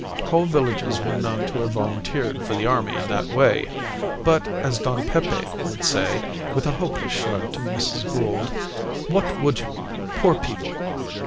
Whole villages were known to have volunteered for the army in that way; but, as Don Pepe would say with a hopeless shrug to Mrs. Gould, "What would you! Poor people!